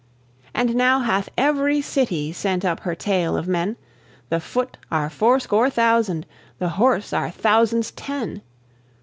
And now hath every city Sent up her tale of men; The foot are fourscore thousand, The horse are thousands ten.